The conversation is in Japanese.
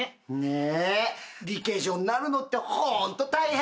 リケジョになるのってホント大変。